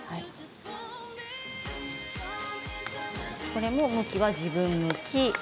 これも向きは自分向き。